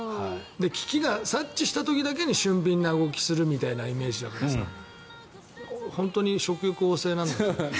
危機を察知した時だけ俊敏な動きをするイメージだから本当に食欲旺盛なんだろうね。